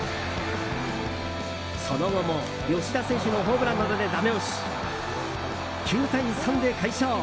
その後も、吉田選手のホームランなどでダメ押し９対３で快勝。